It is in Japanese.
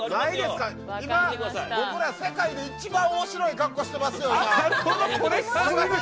今、僕ら世界で一番面白い格好してますよ。